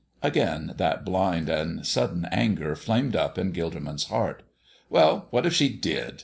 Again that blind and sudden anger flamed up in Gilderman's heart. "Well, what if she did?"